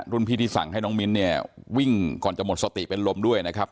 พี่ที่สั่งให้น้องมิ้นเนี่ยวิ่งก่อนจะหมดสติเป็นลมด้วยนะครับ